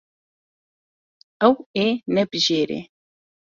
Ew ê nebijêre.